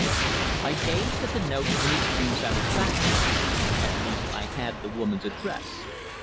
I gazed at the note in extreme satisfaction. At least, I had the woman's address.